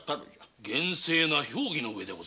厳正な評議の上で。